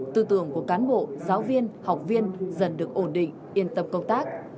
tư tưởng của cán bộ giáo viên học viên dần được ổn định yên tâm công tác